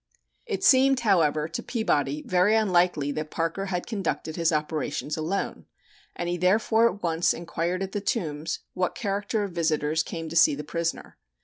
It seemed, however, to Peabody very unlikely that Parker had conducted his operations alone, and he therefore at once inquired at the Tombs what character of visitors came to see the prisoner.